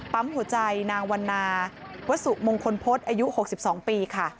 หัวใจนางวันนาวัสสุมงคลพฤษอายุ๖๒ปีค่ะ